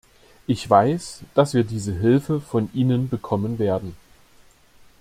Ich weiß, dass wir diese Hilfe von Ihnen bekommen werden.